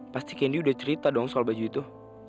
pasti kendi udah cerita dong soal baju itu